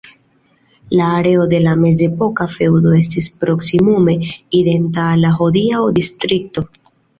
La areo de la mezepoka feŭdo estis proksimume identa al la hodiaŭa distrikto.